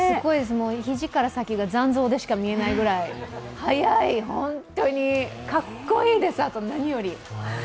肘から先が残像でしか見えないぐらい速い、かっこいいです、何より。